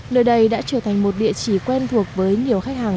nơi đây đã trở thành một địa chỉ quen thuộc với nhiều khách hàng